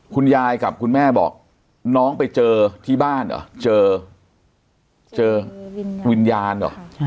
คุณยายกับคุณแม่บอกน้องไปเจอที่บ้านเหรอเจอเจอวิญญาณเหรอ